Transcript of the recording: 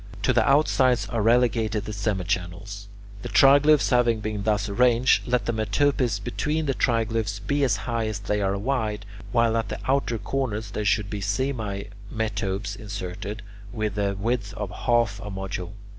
To the outsides are relegated the semichannels. The triglyphs having been thus arranged, let the metopes between the triglyphs be as high as they are wide, while at the outer corners there should be semimetopes inserted, with the width of half a module.